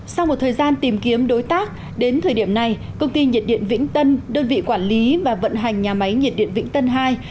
sau một thời gian tìm kiếm đối tác đến thời điểm này công ty nhiệt điện vĩnh tân đơn vị quản lý và vận hành nhà máy nhiệt điện vĩnh tân hai